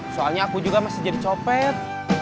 soalnya aku juga masih jadi copet